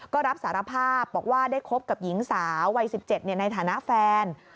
ก็รับสารภาพบอกว่าได้คบกับหญิงสาววัย๑๗ในฐานะแฟน